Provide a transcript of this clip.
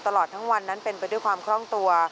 ตลอดทั้งวันนั้นเป็นไปด้วยความคล่องตัว